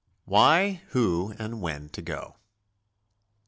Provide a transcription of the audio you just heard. WHY, WHO, AND WHEN TO GO.